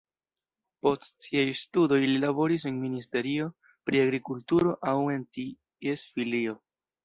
Post siaj studoj li laboris en ministerio pri agrikulturo aŭ en ties filio.